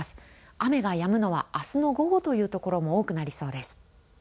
雨がやむのはあすの午後という所も多くなりそうです。